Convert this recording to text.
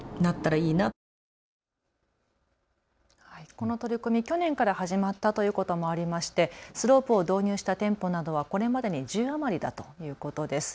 この取り組み、去年から始まったということもありましてスロープを導入した店舗などはこれまでに１０余りだということです。